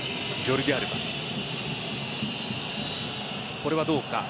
これはどうか。